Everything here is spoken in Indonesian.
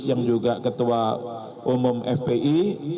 yang juga ketua umum fpi